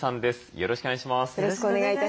よろしくお願いします。